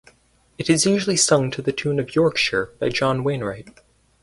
It is usually sung to the tune "Yorkshire" by John Wainright.